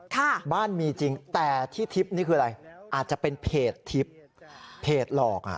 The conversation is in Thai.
ค่ะบ้านมีจริงแต่ที่ทิพย์นี่คืออะไรอาจจะเป็นเพจทิพย์เพจหลอกอ่ะ